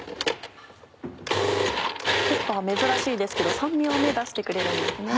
珍しいですけど酸味を出してくれるんですね。